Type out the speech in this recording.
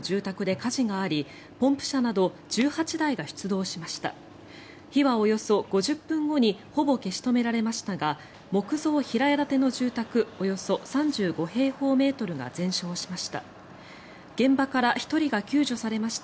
火はおよそ５０分後にほぼ消し止められましたが木造平屋建ての住宅およそ３５平方メートルが全焼しました。